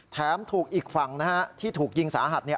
แถมถูกอีกฝั่งนะฮะที่ถูกยิงสาหัส